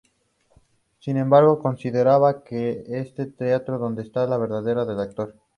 Sin embargo, consideraba que es en el teatro donde "está la verdad del actor".